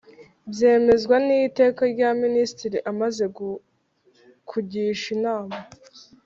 byemezwa n iteka rya Minisitiri amaze kugisha inama